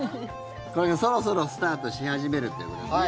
これがそろそろスタートし始めるということですね。